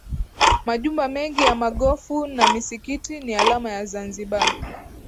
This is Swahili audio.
Majumba mengi ya magofu na misikiti ni alama ya Zanzibar